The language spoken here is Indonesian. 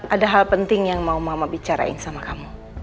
ada hal penting yang mau mama bicarain sama kamu